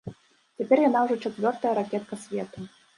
Цяпер яна ўжо чацвёртая ракетка свету.